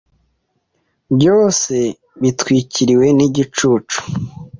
Byose bitwikiriwe nigicu